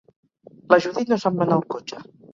La Judit no sap menar el cotxe